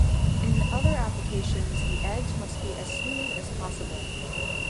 In other applications the edge must be as smooth as possible.